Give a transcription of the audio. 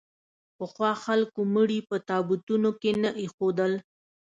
پخوا خلکو مړي په تابوتونو کې نه اېښودل.